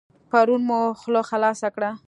پرون مو خوله خلاصه کړه.